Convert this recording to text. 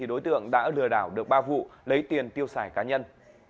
đối tượng đã lừa đảo được ba vụ lấy tiền tiêu xài cá nhân